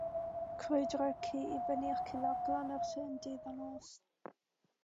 Crwydrai'r ci i fyny ac i lawr glannau'r llyn, ddydd a nos.